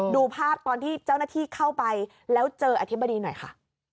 ดูภาพตอนที่เจ้าหน้าที่เข้าไปแล้วเจออธิบดีหน่อยค่ะ